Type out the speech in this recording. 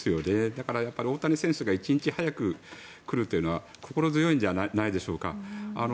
だから大谷選手が１日早く来るというのは心強いんじゃないでしょうか。